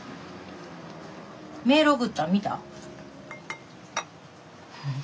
メール送ったん見た？